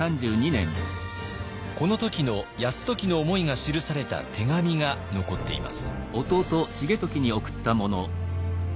この時の泰時の思いが記された手紙が残っています。